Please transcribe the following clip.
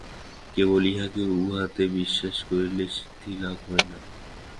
কেবল ইহাতে উহাতে বিশ্বাস করিলেই সিদ্ধিলাভ হয় না।